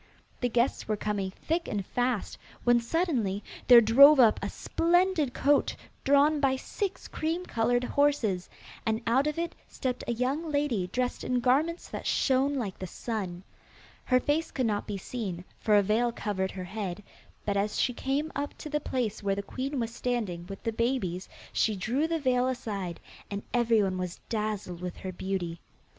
The guests were coming thick and fast, when suddenly there drove up a splendid coach drawn by six cream coloured horses, and out of it stepped a young lady dressed in garments that shone like the sun. Her face could not be seen, for a veil covered her head, but as she came up to the place where the queen was standing with the babies she drew the veil aside, and everyone was dazzled with her beauty.